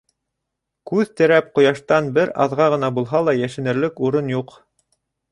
Күҙ терәп ҡояштан бер аҙға ғына булһа ла йәшенерлек урын юҡ.